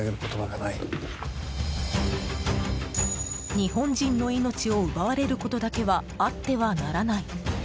日本人の命を奪われることだけはあってはならない。